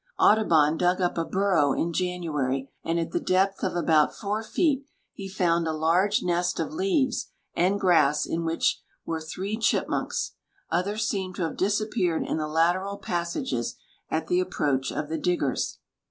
Audubon dug up a burrow in January, and at the depth of about four feet he found a large nest of leaves and grass in which were three chipmunks; others seemed to have disappeared in the lateral passages at the approach of the diggers.